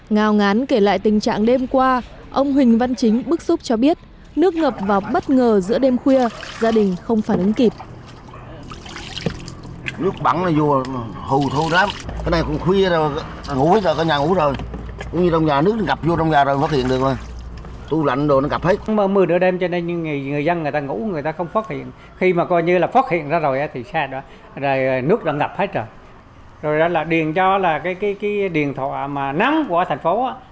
ngao ngán kể lại tình trạng đêm qua ông huỳnh văn chính bức xúc cho biết nước ngập vào bất ngờ giữa đêm khuya gia đình không phản ứng kịp